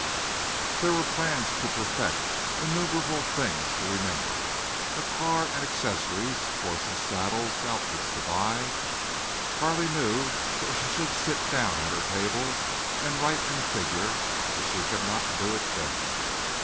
There were plans to perfect; innumerable things to remember; a car and accessories, horses, saddles, outfits to buy. Carley knew she should sit down at her table and write and figure, but she could not do it then.